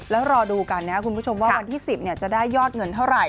แล้วรอดูกันนะครับคุณผู้ชมว่าวันที่๑๐จะได้ยอดเงินเท่าไหร